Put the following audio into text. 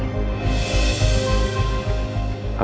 atau masih ada yang disembunyikan